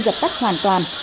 dập tắt hoàn toàn